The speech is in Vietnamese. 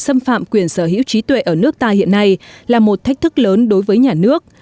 xâm phạm quyền sở hữu trí tuệ ở nước ta hiện nay là một thách thức lớn đối với nhà nước